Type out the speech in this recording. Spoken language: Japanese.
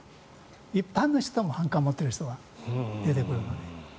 一般の人も反感を持っている人が出てくるので。